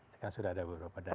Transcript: sekarang sudah ada beberapa data